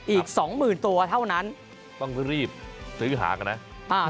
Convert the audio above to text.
อีกสองหมื่นตัวเท่านั้นต้องรีบซื้อหากันนะ